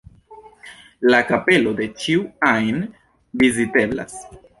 La kapelo de ĉiu ajn viziteblas.